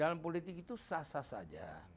dalam politik itu sah sah saja